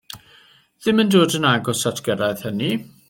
Ddim yn dod yn agos at gyrraedd hynny.